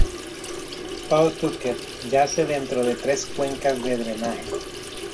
Pawtucket yace dentro de tres cuencas de drenaje.